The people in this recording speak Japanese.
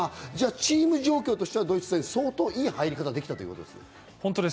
チーム状況としてはドイツ戦、相当良い入り方ができたんですね。